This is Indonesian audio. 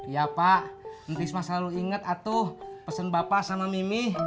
iya pak nanti isma selalu inget atuh pesen bapak sama mimi